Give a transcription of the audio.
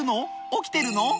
起きてるの？